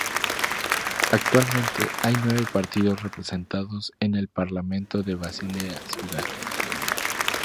Actualmente hay nueve partidos representados en el parlamento de Basilea-Ciudad.